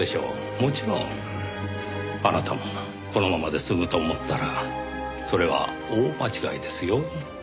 もちろんあなたもこのままで済むと思ったらそれは大間違いですよ。